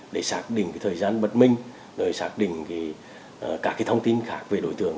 để xác định thời gian bất minh xác định các thông tin khác về đối tượng